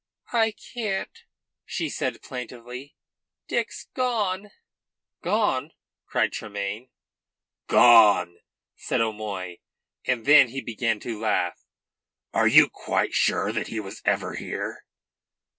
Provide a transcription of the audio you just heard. "I can't," she said plaintively. "Dick's gone." "Gone?" cried Tremayne. "Gone?" said O'Moy, and then he began to laugh. "Are you quite sure that he was ever here?"